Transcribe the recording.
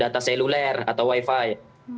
data seluler atau wifi